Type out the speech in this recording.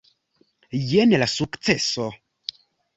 Jen la sukceso.